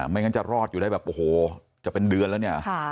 ไม่งั้นจะรอดอยู่ได้แบบโอ้โหจะเป็นเดือนแล้วเนี่ย